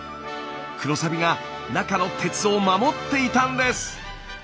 黒サビが中の鉄を守っていたんです！